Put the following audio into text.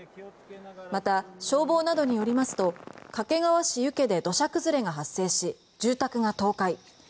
また、消防などによりますと掛川市遊家で土砂災害が発生し住宅が倒壊。